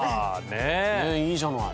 ねえいいじゃない。